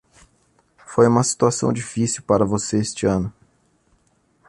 Foi uma situação difícil para você este ano.